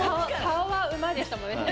顔は馬でしたもんね。